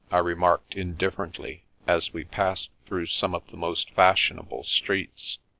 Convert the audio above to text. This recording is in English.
I remarked indifferently, as we passed through some of the most fashionable streets.